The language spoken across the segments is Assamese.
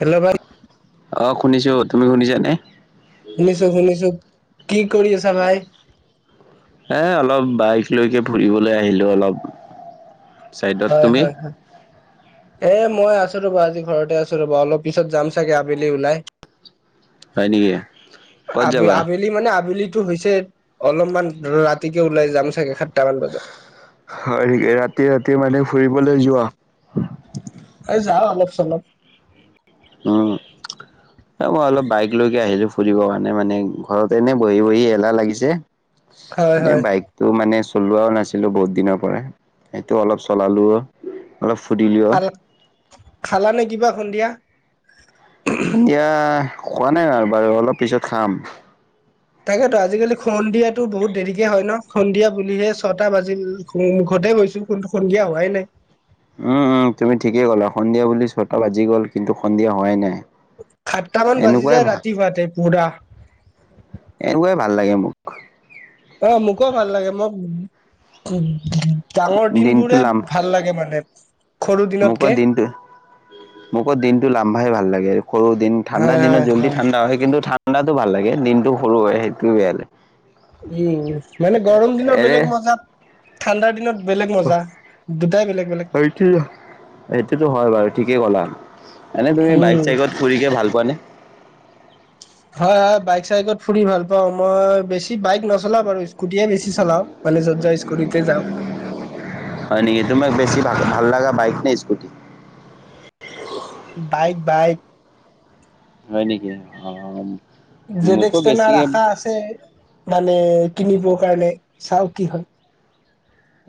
হেল্ল', ভাই অহ, শুনিছো তুমি শুনিছানে? শুনিছো - শুনিছো কি কৰি আছা ভাই? এ অলপ বাইক লৈকে ফুৰিবলৈ আহিলো অলপ। ছাইডত হয় তুমি? হয় হয় এ মই আছো ৰ'বা আজি ঘৰতে আছো ৰ'বা অলপ পিছত যাম চাগে আবেলি ওলাই হয় নেকি ক'ত আব যাবা -আবেলি মানে আবেলি টো হৈছে অলপমান ৰাতিকে ওলাই যাম চাগে সাত হয় ৰাতি -ৰাতি মানে ফুৰিবলৈ যোৱা? এই যাও অলপ চলপ হম [inaudible] মই অলপ বাইক লৈকে আহিলো ফুৰিব কাৰণে মানে ঘৰতে এনে বহি বহি এলাহ লাগিছে হয় মানে হয় বাইকটো মানে চলোৱাও নাছিলো বহুত দিনৰ পৰা সেইটো অলপ চলালো'অ খাল- খালা নে কিবা সন্ধিয়া? এতিয়া খোৱা নাই আৰু বাৰু অলপ পিছত খাম। তাকেতো আজিকালি সন্ধিয়াটো বহুত দেৰিকে হয় ন' সন্ধিয়া বুলিহে ছটা বাজিল মুখত এতেই বহীছো কোনটো সন্ধিয়া হোৱাই নাই উম -উম তুমি ঠিকেই ক'লা আৰু সন্ধিয়া বুলি ছটা বাজি গ'ল কিন্তু সন্ধিয়া হোৱাই নাই সাতটামান বাজি এনেকুৱাই যায় ভা ৰাতি হুৱাতে পুৰা এনেকুৱাই ভাল লাগে মোক অহ, মোকো ভাল লাগে মক [inaudible] ডাঙৰ দিন দিনটো বোৰে লাম ভাল লাগে মানে সৰু মোকো দিনতকে। দিনটো মোকত দিনটো লামভাই ভাল লাগে সৰু দিন ঠাণ্ডা হয় দিনত হয় জল্দি ঠাণ্ডা হয় কিন্তু ঠাণ্ডাটো ভাল লাগে দিনটোৰু হয় সেইটোয়ে বেয়া লাগে উম, মানে গৰম দিনৰ এৰে বেলেগ মজাত ঠাণ্ডাৰ দিনত বেলেগ মজা দুটাই বেলেগ। বেলেগ অইটো এইটোতো হয় বাৰু ঠিকেই কলা। এনে তুমি বাইক উম। চাইকত ফুৰিকে ভাল পোৱা নে? আহ বাইক চাইকত ফুৰি ভাল পাও মই বেছি বাইক নচলও বাৰু স্কুটিয়ে বেছি চলাও মানে য'ত য' ত ইস্কুতিতে যাওঁ। হয় নেকি? তোমাক বেছি ভাল- ভাল লগা বাইক নে ইস্কুতি? Bike- bike. হয় নেকি অহ। জেড এক্স তেনাৰ আশা আছে। মানে কিনিব কাৰণে চাও কি হয়।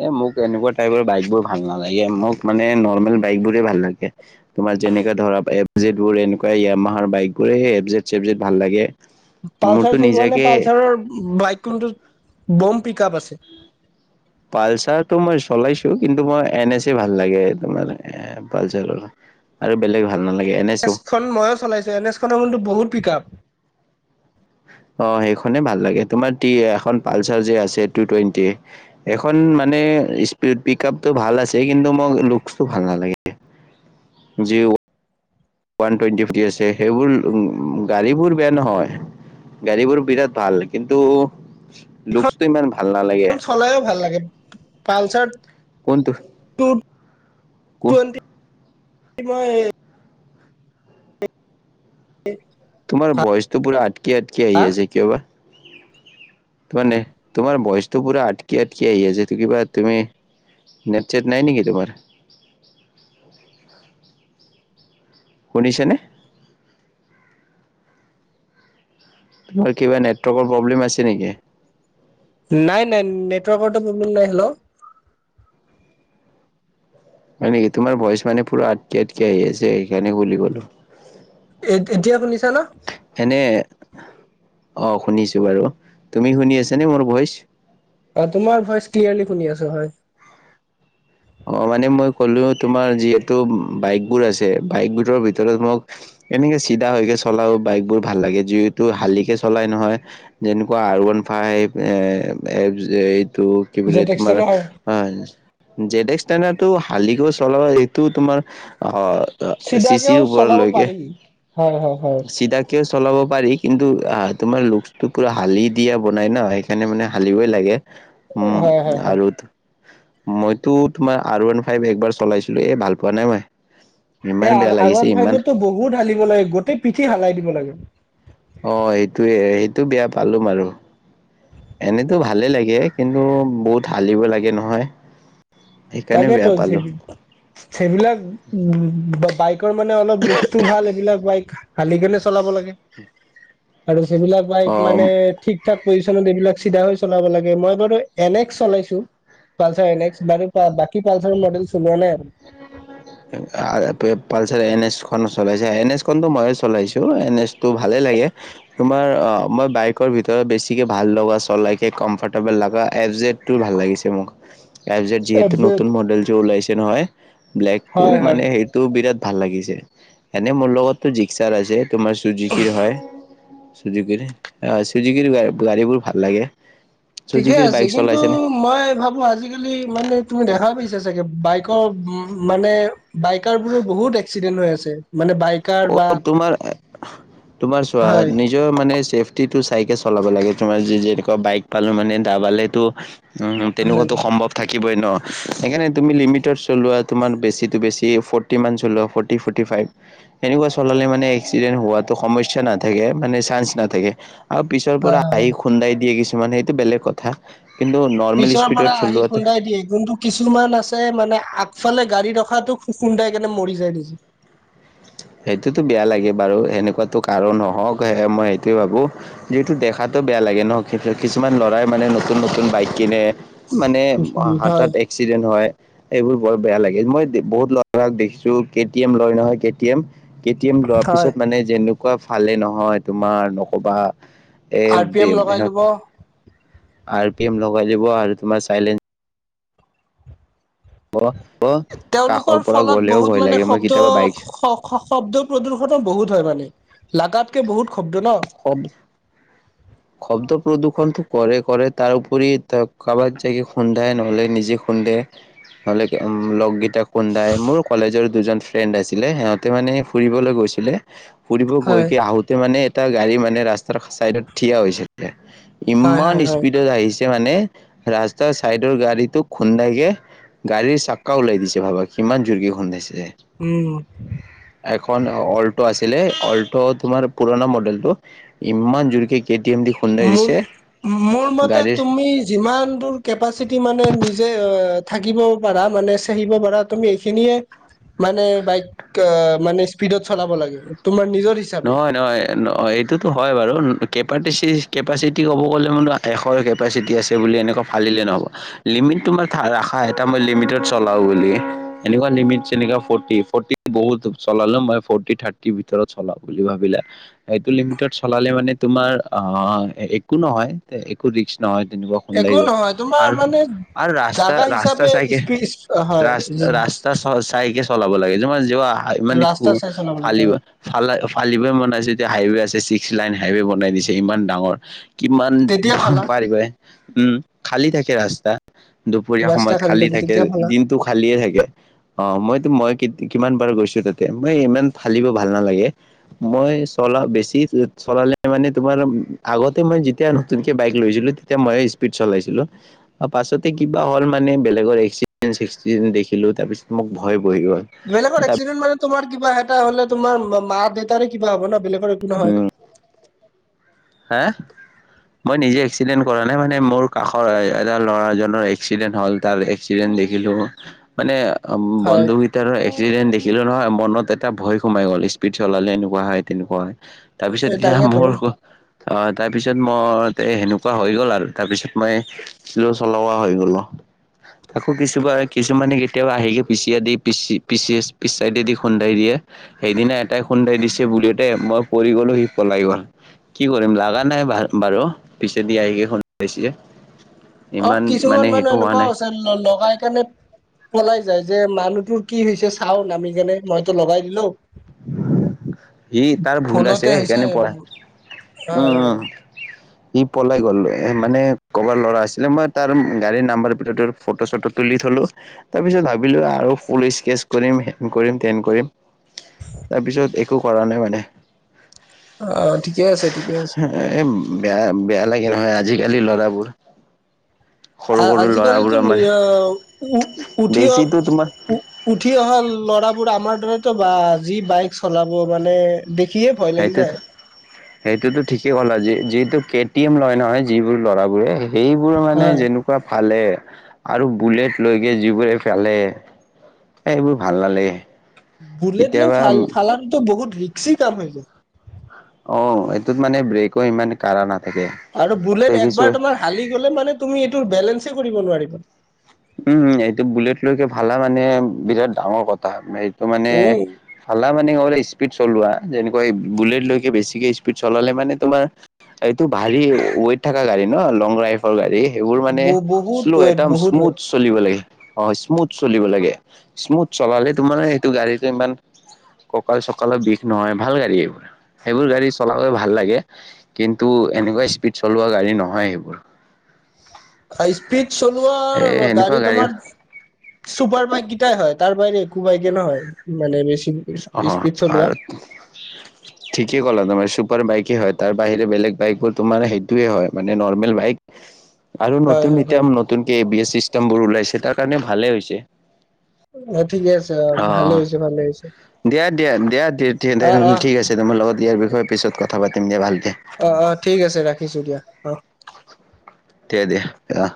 এ মোক এনেকুৱা টাইপৰ বাইক বোৰ ভাল নালাগে মোক মানে নৰ্মেল বাইক বোৰে ভাল লাগে তোমাৰ যেনেকে ধৰক এফজেত বোৰ এনেকুৱা যাম্মহাৰ বাইক বোৰে সেই এফজেত সেফজেত ভাল লাগে। মোৰতো পালচাৰ চলোৱা নে নিজাকে পালচাৰৰ বাইক কোনটো? বম পিক আপ আছে। পালচাৰতটো মই চলাইছো কিন্তু মই এন এছ এ ভাল লাগে তোমাৰ এ পালচাৰৰ। আৰু বেলেগ ভাল নালাগে এন এছো এছখন মইয়ো চলাইছো এন এছ খনৰ কিন্তু বহুত পিক আপ। অহ, সেইখনে ভাল লাগে তোমাৰ টি এখন পালচাৰ যে আছে টু টুৱেন্টি এখন মানে নে স্প পিক আপটো ভাল আছে কিন্তু মোক লুকচটো ভাল নালাগে যি ওৱান টুৱেণ্টি ফিফটি আছে সেইবোৰ গাড়ীবোৰ বেয়া নহয়। গাড়ীবোৰ বিৰাট ভাল কিন্তু, এইখন লুকচটো ইমান ভাল নালাগে। চলাইও ভাল লাগে পালচাৰ কোনটো? [unintelligible] তোমাৰ বয়চটো পুৰা আটকি- আটকি হা আহি আছে কিয় বা তোমাৰ নে তোমাৰ বয়চটো পুৰা আটকি- আটকি আহি আছে এটো কিবা তুমি নেত -ছেট নাই নেকি তোমাৰ? শুনিছেনে? তোমাৰ কিবা নেটৱৰ্কৰ প্ৰব্লেম আছে নেকি? নাই -নাই নেটৱৰ্কৰটো প্ৰব্লেম নাই হেল্ল। হয় নেকি তোমাৰ ভইচ মানে পুৰা আটকি- আটকি আহি আছে সেইকাৰণে বুলি কলো। এ এতিয়া শুনিছো ন', অহ শুনিছো বাৰু তুমি শুনি আছ নে মোৰ ভইচ। অহ, তোমাৰ ভইচ ক্লিয়াৰলি শুনি আছো হয়। অহ, মানে মই ক'লো তোমাৰ যিহেতু বাইকবোৰ আছে বাইকবোৰৰ ভিতৰত মোক এনেকে চিধা হৈকে চলাও বাইক বোৰ ভাল লাগে যিহেতু শালিকে চলাই নহয় যেনেকুৱা আৰবান ফাই এ আফজে এইটো কি জেট বুলি তোমাৰ এক্সেল হয়। জেডএক্স ষ্টেণ্ডাৰ টো শালিকৈ চলাব এইটো তোমাৰ অহ ত চিচিৰ চিধাকেও চলাব ওপৰলৈকে পাৰি হয় হয় হয় চিধাকেও চলাব পাৰি। কিন্তু তোমাৰ লুকচটো পুৰা হালি দিয়া বনাই ন সেইকাৰণে মানে হালিবই লাগে। উম হয় হয় হয় আৰু মই। টো তোমাৰ আৰ ৱান ফাইভ একবাৰ চলাইছিলো এই ভাল পোৱা নাই মই।। ইমান বেয়া লাগিছে ইমান [unintelligible] গোটেই পিঠি সালাই দিব লাগে। অ', এটোয়ে এইটো বেয়া পালোম আৰু। এনেতো ভালে লাগে কিন্তু বহুত হালিব লাগে নহয়। সেইকাৰণে তাকেতো বেয়া চে পালো -চেবিলাক উম বা বাইক। কৰ অলপ লুকচটো ভাল এইবিলাক বাইক হালিকেনে চলাব লাগে আৰু সেইবিলাক বাইক মানে অ ঠিক-ঠাক পজিছনত এইবিলাক চিধা হৈ চলাব লাগে। মই বাৰু এন এক্স চলাইছোঁ। পালছাৰ এন এক্স বাৰু বাকি পালছাৰৰ মডেল চলোৱা নাই আৰু। উম উ উম উম অ'- আ- পালছাৰ এন এছখন চলাইছে। এন এছখনতো মইয়ে চলাইছোঁ। এন এছ তো ভালেই লাগে। তোমাৰ অ' মই বাইকৰ ভিতৰত বেছিকে ভাল লগা চলাইকে কমফৰ্টেবল লগা এফ জেডটো ভাল লাগিছে ম ক। তাৰ পিছত এফ যিহেতু জেড নতুন মডেলটো ওলাইছে নহয়, ব্লেকটো হয় হয় মানে, সেইটো বিৰাত ভাল লাগিছে। এনে মোৰ লগতো জিকছাৰ আছে। তোমাৰ ছুজিকিৰ হয়। চুযুকিৰে অহ চুযুকিৰ গা -গাড়ীবোৰ ভাল লাগে। ঠিকে চুজুকিৰ আছে বাইক কিন্তু চলাইছে নে? মই ভাবো আজিকালি মানে তুমি দেখা পাইছা চাগে। বাইকৰ মানে বাইকাৰবোৰৰ বহুত এক্সিডেন্ট হৈ আছে। মানে বাইকাৰ বা অ তোমাৰ তোমাৰ চোৱা, হয় হয় নিজৰ মানে ছেফটিটো চাইকে চলাব লাগে। তোমাৰ যি যেনেকুৱা বাইক পালোঁ মানে, দাবালেটো উভ, হয় তেনেকুৱাতো সম্ভৱ থাকিবই ন'? সেইকাৰণে তুমি লিমিটত চলোৱা। তোমাৰ বেছিতো বেছি ফৰ্টি মান চলোৱা। ফৰ্টী- ফৰ্টী ফাইভ সেনেকুৱা চলালে মানে এক্সিডেণ্ট হোৱাটো সমস্যা নাথাকে, মানে চান্স নাথাকে। আৰু পিছৰ পৰা হয় আহি হয় খুন্দাই দিয়ে কিছুমান, সেইটো বেলেগ কথা। কিন্তু নৰ্মেল পিছৰ স্পীডত পৰা আহি চলোৱাটো খুন্দাই দিয়ে। কিন্তু কিছুমান আছে মানে আ ইফালে গাড়ী ৰখাটো খুন্দাইকেনে মৰি যায় নিজে। সেইটোতো বেয়া লাগে বাৰু। সেনেকুৱাতো কাৰো নহওঁক সে- মই সেইটোৱে ভাবোঁ। যিহেতু দেখা বেয়া লাগে ন'। কিছুমান ল'ৰাই মানে নতুন - নতুন বাইক কিনে মানে হয় হাতত এক্সিডেন্ট হয়। এইবোৰ বৰ বেয়া লাগে। মই বহুত লৰাক দেখিছোঁ। কে টি এম লয় নহয়, K T M? K T M লোৱাৰ হয় পিছত মানে যেনেকুৱা ফালে নহয়, তোমাৰ নকবা। আৰ এ পি এম দিম লগাই ল'ব সিহঁতে- আৰ পি এম লগাই দিব আৰু তোমাৰ ছাইলেন ব ব তেওঁলোকৰ ফলত বহুত মানে শব্দ- বাইক শ- শব্দ প্ৰদূষণো বহুত হয় মানে। লাগাতকে বহুত শব্দ ন'? শব শব্দ প্ৰদূষণটো কৰে - কৰে। তাৰ উপৰি ত- কাৰোবাত যাই গে খুন্দাই নহ'লে নিজে খুন্দে। নহ'লে উম, লগগিটা খুন্দায়। মোৰো কলেজৰ দুজন ফ্ৰেণ্ড আছিলে। সিহঁতে মানে ফুৰিবলৈ গৈছিলে। ফুৰিব গৈ হয় কি আহোঁতে মানে, এটা গাড়ী মানে ৰাস্তাৰ ছাইডত থিয় হৈছিলে হয় ইমান হয় হয় স্পীডত আহি ছে মানে, ৰাস্তাৰ ছাইডৰ গাড়ীটো খুন্দাইকে গাড়ীৰ চাক্কা ওলাই দিছে ভাবা, কিমান জোৰকে খুন্দাই ছে? উম এখন অ'ল্টো আছিলে। অ'ল্টো তোমাৰ পুৰণা মডেলটো। ইমান জোৰকে কে টি এম দি খুন্দাই মোৰ দিছে মোৰ মতে গাড়ীৰ তুমি যিমান দূৰ কেপাচিটি মানে নিজে অ' থাকিব পাৰা, মানে চেহিব পাৰা, তুমি এইখিনিয়ে মানে বাইক অ' মানে স্পীডত চলাব লাগে। তোমাৰ নিজৰ হিচাপে নহয় - নহয় - ন- এইটোতো হয় বাৰু। কেপাটিচি- কেপাচিটি ক'ব গ'লে মানো এশৰ কেপাচিটি আছে বুলি এনেকুৱা ফালিলে নহ'ব। লি তোমাৰ থা- ৰাখা এটা মই লিমিটত চলাও বুলি। এনেকুৱা লিমিট যেনেকা ফৰ্টি। ফৰ্টি বহুত টো চলালো মই ফৰ্টি- থাৰ্টিৰ ভিতৰত চলাও বুলি ভাবিলে। এইটো লিমিতত চলালে মানে তোমাৰ অ' একো নহয়। একো ৰিক্স নহয়। তেনেকুৱা খুন্দাই একো দিব। নহয় তোমাৰ আৰু- মানে আৰু ৰাস্তা- জাগা ৰাস্তা হিচাপে চাইকে স্পীড হয় ৰাস্- ৰাস্ ৰাস্তা চ- চাইকে চলাব লাগে। যিমান যিবা ইমানে খু ৰাস্তা চাই চলাব লাগে ফালিব হয় ফেলাই ফালিব মন আছে। এতিয়া হাইৱে আছে। ছিক্স লাইন হাইৱে বনাই দিছে, ইমান ডাঙৰ কিমান তেতিয়া ফালা পাৰিবা এই? উম, খালী থাকে ৰাস্তা। দুপৰীয়া ৰাস্তা সময়ত খালি খালী থাকে। তেতিয়া ভাল হয়। দিনটো খালিয়ে থাকে। অ' মইতো মই কিত- কিমান বাৰ কৈছোঁ তাতে। মই ইমান ফালিব ভা ভাল নালাগে। মই চলা- বেছি চলালে মানে তোমাৰ, আগতে মই যেতিয়া নতুনকে বাইক লৈছিলোঁ তেতিয়া ময়ে স্পীড চলাইছিলোঁ। পাছতে কিবা হ'ল মানে বেলেগৰ এক্সি ডেন চেক্সিডেন্ট দেখিলোঁ। তাৰপিছত মোক ভয় বহি গ'ল। বেলেগৰ তাৰ এক্সিডেণ্ট মানে তোমাৰ কিবা এটা হ'লে তোমাৰ ম- মা-দেউতাৰে কিবা হব ন'? বেলেগৰ একো নহয়। উম, হে? মই নিজে এক্সিডেণ্ট কৰা নাই, মানে মোৰ কাষৰ এটা ল'ৰাজনৰ এক্সিডেণ্ট হ'ল। তাৰ এক্সিডেণ্ট দে খিলোঁ। মানে হয় বন্ধু কেইটাৰো এক্সিডেন্ট দেখি কিন্তু নহয়, মনত এটা ভয় সোমাই গ'ল। স্পীড চলালে এনেকুৱা হয়, তেনেকুৱা হয়। তাৰপিছত এই এতিয়া তাকেতো মোৰ অ' তাৰপিছত মোৰ তে সেনেকুৱা হৈ গ'ল আৰু। তাৰ পিছত মই স্লো চলোৱা হৈ গ'লো। আকৌ কিছুবা- কিছুমানে কেতিয়াবা আহিকে পিছিয়াই দি পিছি - পিছিয়েছ - পিছ ছাইদেদি খুন্দাই দিয়ে। সেইদিনা এটাই খুন্দাই দিছে বুলিওতে মই পৰি গলোঁ, সি পলাই গ'ল। কি কৰিম? লাগা নাই বা- বাৰু। পিছেদি আহিকে খুন্দাইছে। অ' ইমান মানে কিছুমান সেইটো মানুহ হোৱা নাই এনেকুৱাও আছে। লগাই কেনে পলাই যাই যে। মানুহটোৰ কি হৈছে? চাওঁ নামিকেনে মইতো লগাই দিলোঁ সি তাৰ ভুল আছে, সেইকাৰণে পলা- উম - হয় উম সি পলাই গ'ল। এ মানে ক'বাৰ ল'ৰা আছিলে। মই তাৰ গাড়ীৰ নাম্বাৰ ভিতৰত ফটো-চটো তুলি থলোঁ। তাৰপিছত ভাবিলোঁ আৰু পুলিচ কেচ কৰিম, হেন কৰিম, তেন কৰিম তাৰপিছত একো কৰা নাই মানে। অ' ঠিকে আছে - ঠিকে আছে। এ বেয়া- বেয়া লাগে নহয়, আজিকালি ল'ৰাবোৰ। সৰু আ- সৰু ল'ৰাবোৰ আজিকালিতো আমাৰ নিঅ'- উ- উঠি অ বেছিতো তোমাৰ উ- উঠি অহা ল'ৰা বোৰ আমাৰ দৰেতো, বা যি বাইক চলাব মানে, দেখিয়ে ভয় লাগি সেইটো যায়। সেইটোতো ঠিকেই ক'লা। যি- যিটো কে টি এম লয় নহয়, যিবোৰ ল'ৰাবোৰে সেইবোৰ মানে হয় যেনেকুৱা ফালে আৰু বুলেট লৈকে যিবোৰে ফালে, এইবোৰ ভাল নালাগে্ বুলেট লৈ ফাল- ফালানটো বহুত ৰিক্সি কাম হৈ যায়। অ' এইটোত মানে ব্ৰেকো ইমান কাঢ়া না আৰু বুলেট একবাৰ তোমাৰ হালি গ'লে মানে, তুমি এইটোৰ বেলেঞ্চে কৰিব নোৱাৰিবা। উম, এইটো বুলেট লৈকে ফালা মানে, বিৰাট ডাঙৰ কথা। টো মানে, উম, ফালা মানে স্পীড চলোৱা, যেনেকুৱা বুলেট লৈকে বেছিকে স্পীড চলালে মানে তোমাৰ এইটো ভাৰী ৱেইট থকা গাড়ী ন'? লং ড্ৰাইভৰ গাড়ী। সেইবোৰ মানে বহুত শ্ল' ৱেট একদম বহুত স্মুথ ৱেট চলিব লাগে। অ' স্মুথ চলিব লাগে। স্মুথ চলালে তোমাৰ সেইটো গাড়ীটো ইমান ককাল-চকালৰ বিষ নহয়। ভাল গাড়ী এইবোৰ। সেইবোৰ গাড়ী চলাবৈ ভাল লাগে। কিন্তু এনেকুৱা স্পীড চলোৱা গাড়ী নহয় সেইবোৰ। [unintelligible] ধৰ এ আৰু গাড়ী সেনেকুৱা তোমাৰ চুপাৰ বাইক সেই কেটাই হয়। তাৰ বাহিৰে একো বাইকে নহয়, মানে বেছি অ' স্পীড চলোৱা। আৰু ঠিকেই ক'লা তুমি চু পাৰ বাইকে হয়। তাৰ বাহিৰে বেলেগ বাইকবোৰ তোমাৰ সেইটোৱে হয়, মানে নৰ্মেল বাইক আৰু হয়, নতুন হয়, এতিয়া নতুনকে বি এ ছিষ্টেমবোৰ ওলাইছে। তাৰ কাৰণে ভালে হৈছে। অ' ঠিকে আছে অ'। ভালে অহ। হৈছে ভালে হৈছে। দিয়া - দিয়া - দিয়া - দি- ডেন অ', অ', ঠিক আছে। তোমাৰ লগত ইয়াৰ বিষয়ে পিছত কথা পাতিম দিয়া ভাল অ' - অ' ঠিক আছে। ৰাখিছোঁ দিয়া। অ'। তে দিয়া অ'।